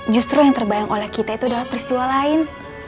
justru yang terbayang oleh kita itu adalah peristiwa lain